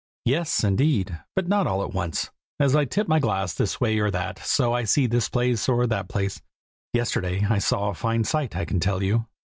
"Yes, indeed, but not all at once. As I tip my glass this way or that, so I see this place or that place. Yesterday I saw a fine sight, I can tell you."